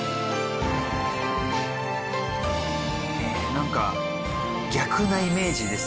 なんか逆なイメージですけどね。